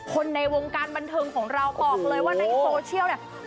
ในวงการบันเทิงของเราบอกเลยว่าในโซเชียลเนี่ย